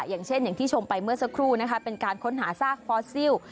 อย่างเช่นอย่างที่ชมไปเมื่อสักครู่นะคะเป็นการค้นหาซากฟอสซิล